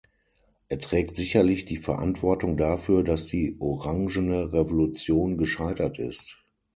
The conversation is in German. Er trägt sicherlich die Verantwortung dafür, dass die orangene Revolution gescheitert ist.